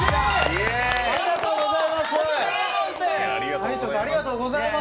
大昇さん、ありがとうございます。